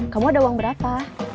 kamu ada uang berapa